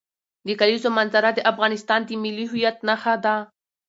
د کلیزو منظره د افغانستان د ملي هویت نښه ده.